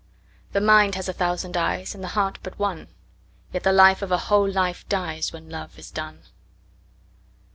The mind has a thousand eyes, And the heart but one; Yet the light of a whole life diesWhen love is done.